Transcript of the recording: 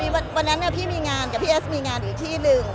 วันนั้นพี่มีงานกับพี่เอสมีงานอยู่ที่หนึ่ง